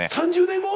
３０年後？